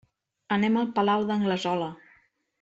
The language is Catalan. Anem al Palau d'Anglesola.